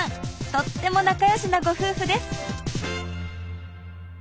とっても仲よしなご夫婦です。